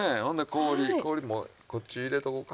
氷もこっち入れておこうか。